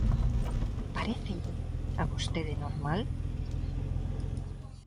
¿Parécelle a vostede normal?